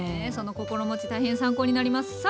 その心持ち大変参考になります。